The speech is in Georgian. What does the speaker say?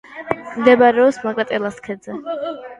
მდებარეობს მაკრატელას ქედზე.